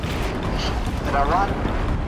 سياسي ډلي به بې له خبرو ستونزي نه حل کوي.